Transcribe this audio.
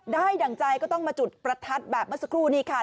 ดั่งใจก็ต้องมาจุดประทัดแบบเมื่อสักครู่นี้ค่ะ